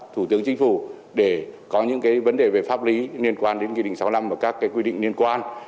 thủ tướng chính phủ để có những cái vấn đề về pháp lý liên quan đến quy định sáu mươi năm và các cái quy định liên quan